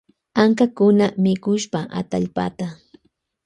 Ankakuna mikushka atallpata.